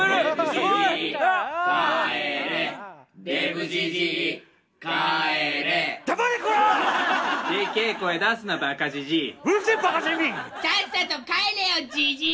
・さっさと帰れよじじい！